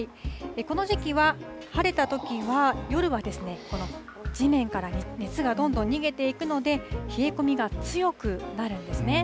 この時期は、晴れたときは夜はこの地面から熱がどんどん逃げていくので、冷え込みが強くなるんですね。